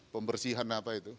pembersihan apa itu